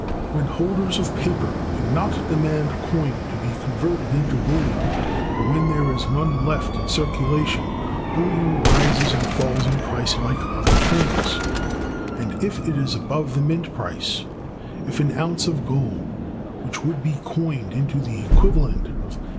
When holders of paper can not demand coin to be converted into bullion, and when there is none left in circulation, bullion rises and falls in price like other things; and if it is above the mint price—if an ounce of gold, which would be coined into the equivalent of [$18.